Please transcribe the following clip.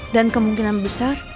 dan kemungkinan besar